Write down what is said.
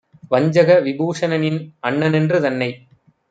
வஞ்சக விபூஷணனின் அண்ணனென்று தன்னை